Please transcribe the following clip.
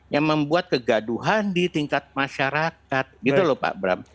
yang membuat kegaduhan di tingkat masyarakat gitu loh pak bram